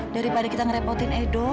daripada kita ngerepotin edo